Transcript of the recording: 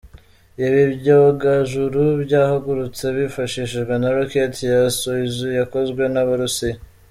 Ibi byogajuru byahagurutse bifashijwe na ’rocket’ ya Soyouz yakozwe n’Abarusiya.